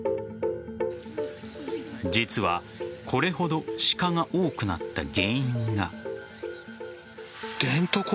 実はこれほど鹿が多くなった原因が。